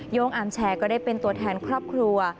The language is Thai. โย่งอาร์มแชร์ก็ได้เป็นตัวแทนครอบครัว